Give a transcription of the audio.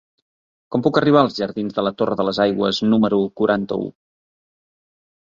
Com puc arribar als jardins de la Torre de les Aigües número quaranta-u?